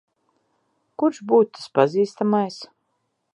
Kurš būtu tas pazīstamais?